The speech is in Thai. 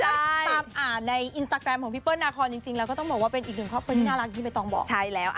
ถ้าตามอ่านในอินสตาแกรมของพี่เปิ้ลนาคอนจริงแล้วก็ต้องบอกว่าเป็นอีกหนึ่งครอบครัวที่น่ารักที่ไม่ต้องบอกใช่แล้ว